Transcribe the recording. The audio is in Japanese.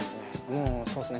うんそうっすね